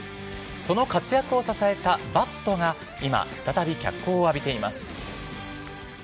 その活躍を支えたバットが今、再び脚光を浴びています。